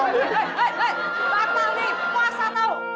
hei hei batal nih puasa tau